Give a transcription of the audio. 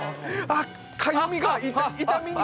かゆみが痛みに！